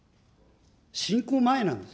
侵攻前なんです。